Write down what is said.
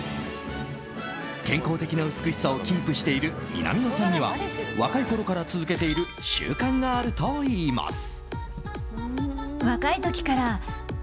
健康的な美しさをキープしている南野さんには若いころから続けている習慣があるといいます。